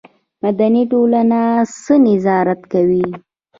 مدني ټولنه څه نظارت کوي؟